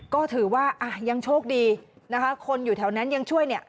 ก็ถือว่าอ่ะยังโชคดีนะคะคนอยู่แถวนั้นยังช่วยเนี่ย